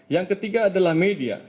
yang ketiga adalah media